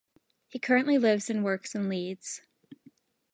He currently lives and works in Leeds.